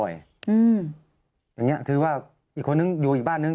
อย่างนี้คือว่าอีกคนนึงอยู่อีกบ้านนึง